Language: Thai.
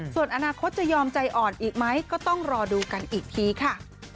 ส่วนอนาคตจะยอมใจอ่อนอีกไหมก็ต้องรอดูกันอีกทีค่ะ